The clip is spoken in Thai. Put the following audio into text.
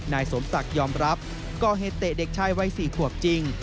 นายสมศักดิ์ยอมรับก่อเหตุเตะเด็กชายวัย๔ขวบจริง